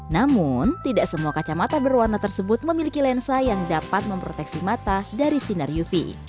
namun tidak semua kacamata berwarna tersebut memiliki lensa yang dapat memproteksi mata dari sinar uv